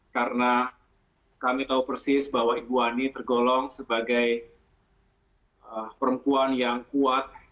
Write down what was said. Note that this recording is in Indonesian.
karena kami tahu persis bahwa ibu ani tergolong sebagai perempuan yang kuat